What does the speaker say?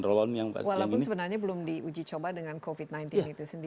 walaupun sebenarnya belum diuji coba dengan covid sembilan belas itu sendiri